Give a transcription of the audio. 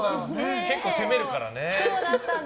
結構攻めるからね。